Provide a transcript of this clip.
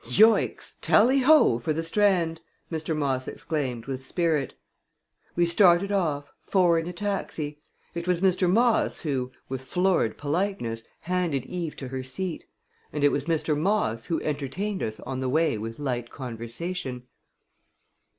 "Yoicks! Tally ho, for the Strand!" Mr. Moss exclaimed, with spirit. We started off four in a taxi. It was Mr. Moss who, with florid politeness, handed Eve to her seat; and it was Mr. Moss who entertained us on the way with light conversation.